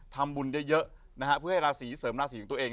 ทำบุญเยอะนะฮะเพื่อให้ราศีเสริมราศีของตัวเอง